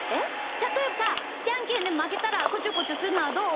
たとえばさじゃんけんでまけたらこちょこちょするのはどう？